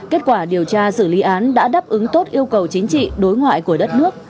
kết quả điều tra xử lý án đã đáp ứng tốt yêu cầu chính trị đối ngoại của đất nước